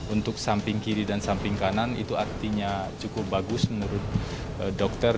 untuk samping kiri dan samping kanan itu artinya cukup bagus menurut dokter